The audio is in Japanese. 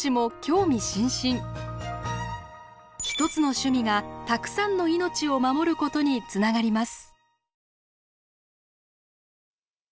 １つの趣味がたくさんの命を守ることにつながります。